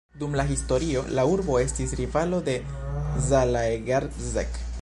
Dum la historio la urbo estis rivalo de Zalaegerszeg.